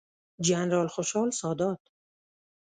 جنرال خوشحال سادات،